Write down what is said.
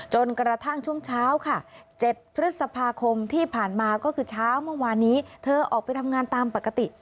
จนกระทั่งช่วงเช้าค่ะ๗พฤษภาคมที่ผ่านมาก็คือเช้าเมื่อวานนี้เธอออกไปทำงานตามปกติ